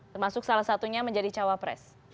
termasuk salah satunya menjadi cawapres